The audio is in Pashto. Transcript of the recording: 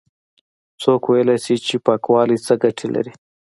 څوک ويلاى شي چې پاکوالی څه گټې لري؟